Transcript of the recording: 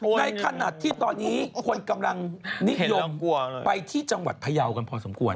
ในขณะที่ตอนนี้คนกำลังนิยมไปที่จังหวัดพยาวกันพอสมควร